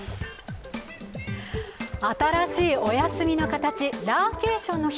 新しいお休みの形、ラーケーションの日。